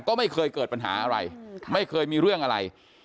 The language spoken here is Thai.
ก็ไม่เคยเกิดปัญหาอะไรไม่เคยมีเรื่องอะไร